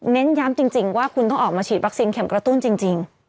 เน้นย้ำจริงว่าคุณต้องออกมาฉีดวัคซีนเข็มกระตุ้นจริง